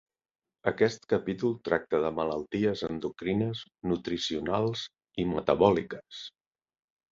Aquest capítol tracta de malalties endocrines, nutricionals i metabòliques.